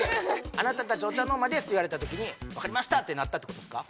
「あなたたちＯＣＨＡＮＯＲＭＡです」って言われたときに「わかりました！」ってなったってことですか？